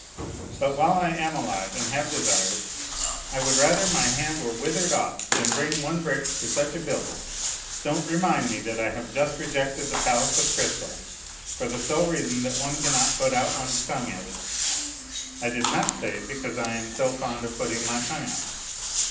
But while I am alive and have desires I would rather my hand were withered off than bring one brick to such a building ! Don't remind me that I have just rejected the palace of crystal for the sole reason that one cannot put out one's tongue at it. I did not say because I am so fond of putting my tongue out.